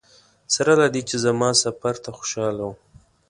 سره له دې چې زما سفر ته خوشاله وه.